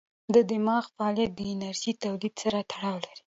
د دماغ فعالیت د انرژۍ تولید سره تړاو لري.